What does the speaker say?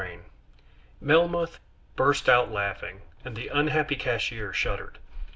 Melmoth burst out laughing, and the unhappy cashier shuddered.